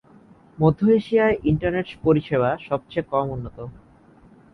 মধ্য এশিয়ায় ইন্টারনেট পরিষেবা সবচেয়ে কম উন্নত।